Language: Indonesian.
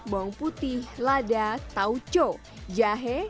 bawang putih lada tahu cope yi he